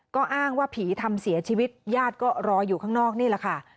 ก็อ้างว่าผีทำเสียชีวิตญาติก็รออยู่ข้างนอกนี่แหละค่ะ